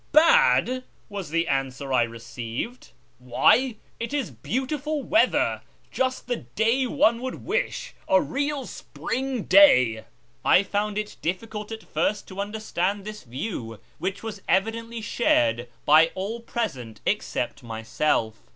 " Bad !" was the answer I received, " why, it is beautiful weather ! Just the day one would wish ; a real spring day." I found it difficult at first to understand this view, which was evidently shared by all present except myself.